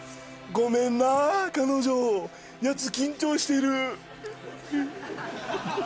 ごめんな彼女やつ緊張してる。ハハハ。